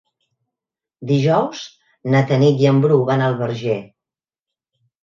Dijous na Tanit i en Bru van al Verger.